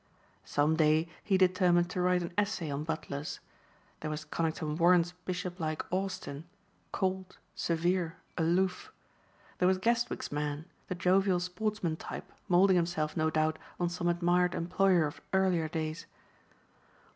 Some day he determined to write an essay on butlers. There was Conington Warren's bishop like Austin, cold, severe, aloof. There was Guestwick's man, the jovial sportsman type molding himself no doubt on some admired employer of earlier days.